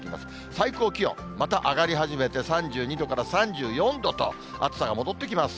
最高気温、また上がり始めて３２度から３４度と、暑さが戻ってきます。